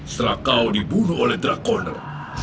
setelah kau dibunuh oleh drakonel